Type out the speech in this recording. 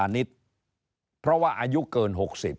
นิดเพราะว่าอายุเกิน๖๐